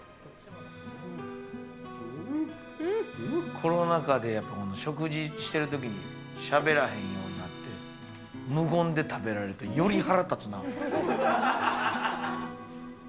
コロナ禍でやっぱり、しょくじしてるときにしゃべらへんようになって、無言で食べられてより腹立つな。